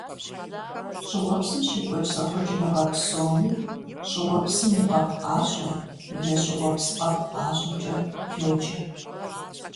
ЩӀыуэпсым щекӀуэкӀ зэхъуэкӀыныгъэ псоми щӀыуэпсым и къэхъукъащӀэ е щӀыуэпс къэхъукъащӀэкӀэ йоджэ.